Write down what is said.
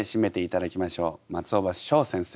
松尾葉翔先生